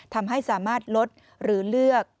ทำให้สามารถลดหรือเลือก